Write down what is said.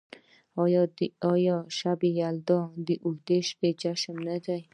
آیا شب یلدا د اوږدې شپې جشن نه دی؟